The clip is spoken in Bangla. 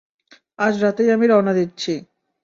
আজ রাতেই আমি রওনা দিচ্ছি।